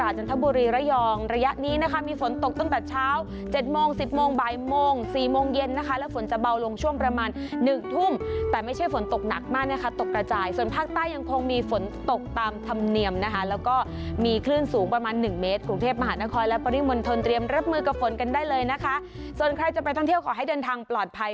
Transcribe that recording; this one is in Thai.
จันทบุรีระยองระยะนี้นะคะมีฝนตกตั้งแต่เช้า๗โมง๑๐โมงบ่ายโมงสี่โมงเย็นนะคะแล้วฝนจะเบาลงช่วงประมาณหนึ่งทุ่มแต่ไม่ใช่ฝนตกหนักมากนะคะตกกระจายส่วนภาคใต้ยังคงมีฝนตกตามธรรมเนียมนะคะแล้วก็มีคลื่นสูงประมาณหนึ่งเมตรกรุงเทพมหานครและปริมณฑลเตรียมรับมือกับฝนกันได้เลยนะคะส่วนใครจะไปท่องเที่ยวขอให้เดินทางปลอดภัย